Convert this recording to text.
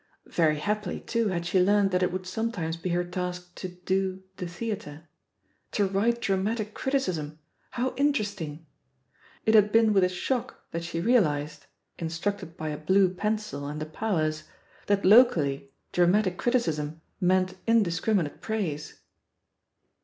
.Very happily, too, had she learnt that it would sometimes be her task to "do*' the theatre. To write dramatic criticism — ^how interesting! It had been with a shock that she realised, instructed by a blue pencil and the powers, that locally dramatic criticism" meant indiscriminate praise.